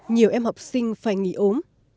nhiều em học sinh phải nghỉ ốm